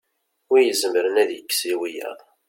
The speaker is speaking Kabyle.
wi izemren ad ikkes i wiyaḍ